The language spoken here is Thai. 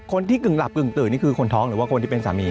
กึ่งหลับกึ่งตื่นนี่คือคนท้องหรือว่าคนที่เป็นสามี